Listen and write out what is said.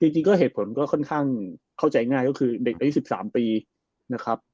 จริงเหตุผลก็เข้าใจง่ายคือเด็กไป๑๓ปีนะครับ